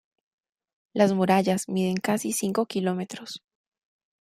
Las murallas miden casi cinco kilómetros.